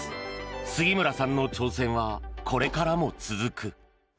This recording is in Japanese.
杉村さんの挑戦はこれからも続く。